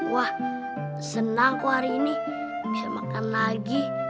wah senang kok hari ini bisa makan lagi